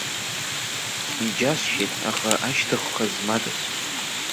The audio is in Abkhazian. Иџьасшьеит, аха ашьҭыхха змадаз.